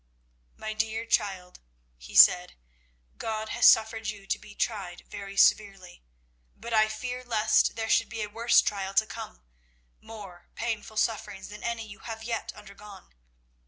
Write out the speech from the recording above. "My dear child," he said, "God has suffered you to be tried very severely; but I fear lest there should be a worse trial to come, more painful sufferings than any you have yet undergone.